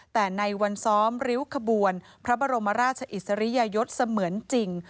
แต่ในวันซ้อมริ้วขบวนพระบรมราชอิสริยยศเสมือนจริง